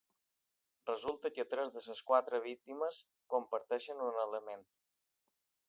Resulta que tres de les quatre víctimes comparteixen un element.